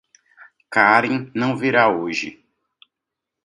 Karin não virá hoje.